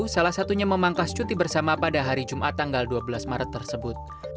salah satunya memangkas cuti bersama pada hari jumat tanggal dua belas maret tersebut